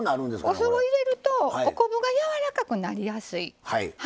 お酢を入れるとお昆布がやわらかくなりやすい一つは。